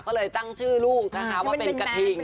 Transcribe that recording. ก็เลยตั้งชื่อลูกนะคะว่าเป็นกระทิง